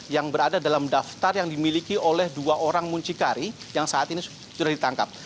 yang berada dalam daftar yang dimiliki oleh dua orang muncikari yang saat ini sudah ditangkap